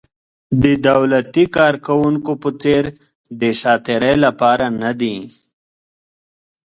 د دولتي کارکوونکو په څېر د ساعت تېرۍ لپاره نه دي.